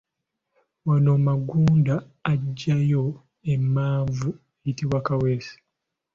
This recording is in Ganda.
Wano Magunda aggyayo emmanvu eyitibwa Kaweesa.